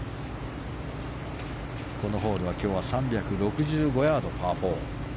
このホールは今日は３６５ヤードのパー４。